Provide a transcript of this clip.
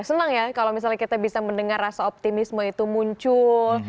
senang ya kalau misalnya kita bisa mendengar rasa optimisme itu muncul